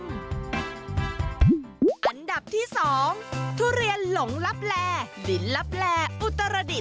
อันดับที่๒ทุเรียนหลงลับแลดินลับแลอุตรดิษ